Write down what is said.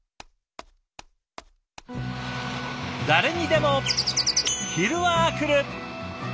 誰にでも昼はくる。